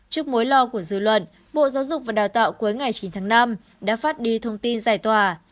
trước mối lo của dư luận bộ giáo dục và đào tạo cuối ngày chín tháng năm đã phát đi thông tin giải tỏa